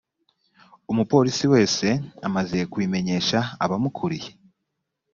umupolisi wese amaze kubimenyesha abamukuriye